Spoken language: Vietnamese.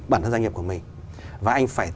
bản thân doanh nghiệp của mình và anh phải